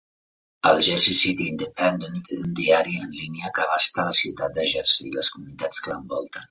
El "Jersey City Independent" és un diari en línia que abasta la ciutat de Jersey i les comunitats que l'envolten.